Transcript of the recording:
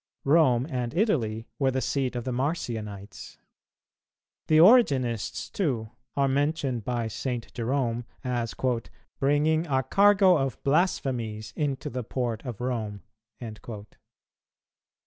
Rome and Italy were the seat of the Marcionites. The Origenists, too, are mentioned by St. Jerome as "bringing a cargo of blasphemies into the port of Rome."